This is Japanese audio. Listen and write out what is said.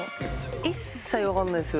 一切分からないです。